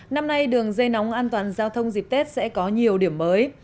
năm nay đường dây nóng an toàn giao thông dịp tết sẽ có nhiều điểm mới